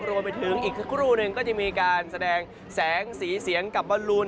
รวมไปถึงอีกสักครู่หนึ่งก็จะมีการแสดงแสงสีเสียงกับบอลลูน